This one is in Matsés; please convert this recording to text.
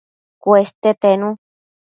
Cueste tenu